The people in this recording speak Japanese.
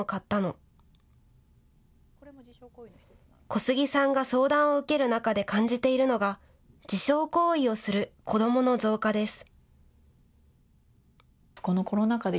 小杉さんが相談を受ける中で感じているのが自傷行為をする子どもの増加です。